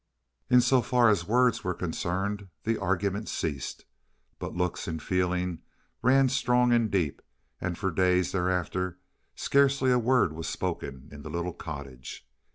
In so far as words were concerned, the argument ceased, but looks and feeling ran strong and deep, and for days thereafter scarcely a word was spoken in the little cottage.